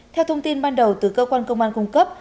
theo thông tin ban đầu từ cơ quan công an cung cấp